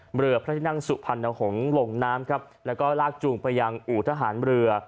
เรือพระที่นั่งสุพรรณหงษ์ลงน้ำครับแล้วก็ลากจูงไปยังอู่ทหารเรือ